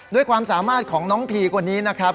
ด้วยความสามารถของน้องพีคนนี้นะครับ